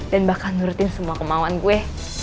dan bakal nurutin semua kemauan gue